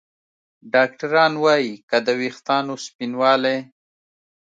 ډاکتران وايي که د ویښتانو سپینوالی